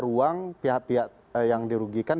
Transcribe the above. ruang pihak pihak yang dirugikan